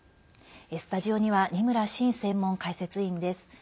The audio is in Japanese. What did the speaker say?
スタジオには二村伸専門解説委員です。